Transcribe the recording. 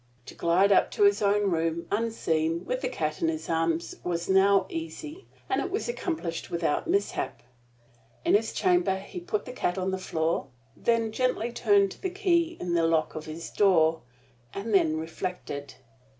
To glide up to his own room, unseen, with the cat in his arms, was now easy; and it was accomplished without mishap. In his chamber, he put the cat on the floor, then gently turned the key in the lock of his door, and then reflected.